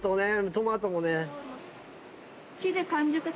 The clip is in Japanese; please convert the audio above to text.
トマトもね。